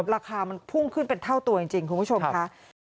ราคามันพุ่งขึ้นเป็นเท่าตัวจริงคุณผู้ชมค่ะ